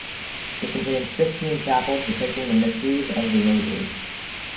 It contains fifteen chapels depicting the mysteries of the Rosary.